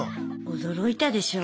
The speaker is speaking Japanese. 驚いたでしょう？